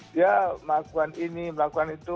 dia melakukan ini melakukan itu